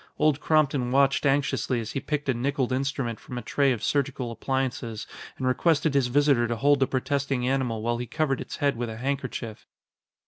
Old Compton watched anxiously as he picked a nickeled instrument from a tray of surgical appliances and requested his visitor to hold the protesting animal while he covered its head with a handkerchief.